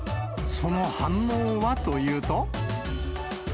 その反応はというと。